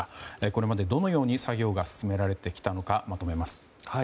これまでどのように作業が進められてきたのかまとめます。